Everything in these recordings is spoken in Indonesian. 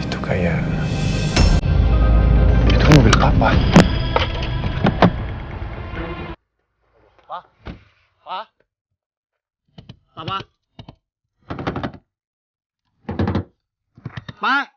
aduh aku jadi khawatir ada apa apa sama pak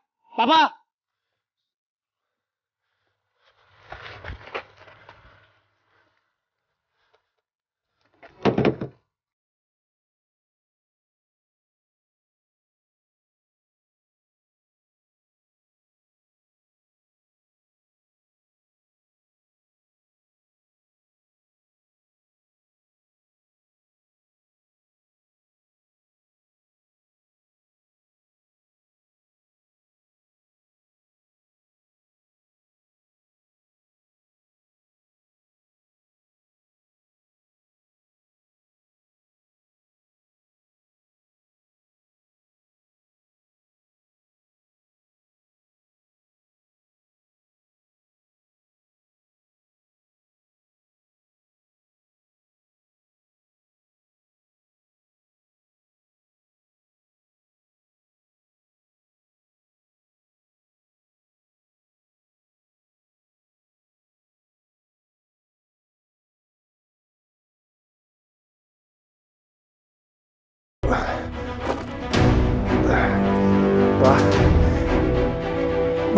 surya